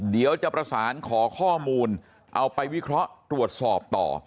เดี๋ยวจะประสานขอข้อมูลเอาไปวิเคราะห์ตรวจสอบต่อ